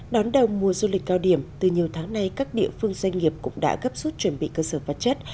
đón đầu mùa du lịch cao điểm từ nhiều tháng nay các địa phương doanh nghiệp cũng đã gấp suốt chuẩn bị cơ sở vật chất